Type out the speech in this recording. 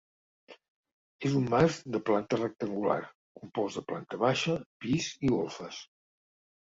És un mas de planta rectangular, compost de planta baixa, pis i golfes.